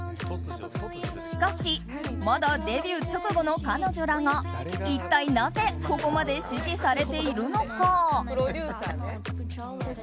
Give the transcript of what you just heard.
しかしまだデビュー直後の彼女らが一体なぜ、ここまで支持されているのか。